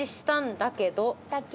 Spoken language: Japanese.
「だけど」